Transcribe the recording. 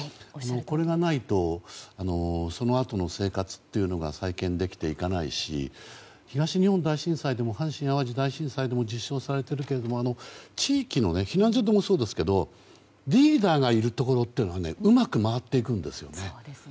これがないとそのあとの生活というのは再建できていかないし東日本大震災でも阪神・淡路大震災でも実証されているけれども避難所でもそうですけど、地域のリーダーがいるところというのはうまく回っていくんですね。